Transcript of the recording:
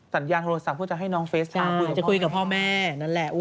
สัญญาณโทรศัพท์เพื่อจะให้น้องเฟสติจะคุยกับพ่อแม่นั่นแหละ